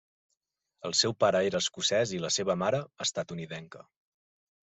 El seu pare era escocès i la seva mare, estatunidenca.